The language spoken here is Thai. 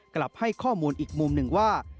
กลับให้ข้อมูลอีกมุมหนึ่งว่า